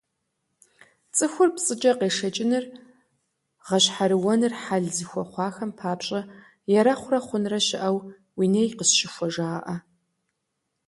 ЦӀыхур пцӀыкӀэ къешэкӀыныр, гъэщхьэрыуэныр хьэл зыхуэхъуахэм папщӏэ «Ерэхъурэ хъунрэ щыӀэу уи ней къысщыхуэ» жаӏэ.